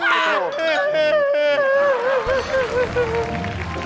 ฮู้มงค์